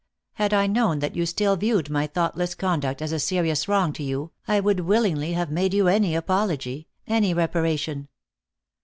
Had I known that you still viewed my thoughtless conduct as a serious wrong to yon, I would willingly have made you any apology, any reparation."